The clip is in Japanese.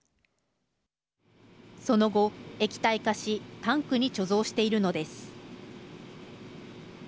その後、液体化しタンクに貯蔵しているのです。